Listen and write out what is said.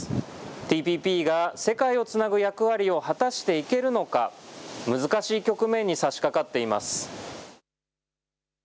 ＴＰＰが世界をつなぐ役割を果たしていけるのか難しい局面にさしかかっています。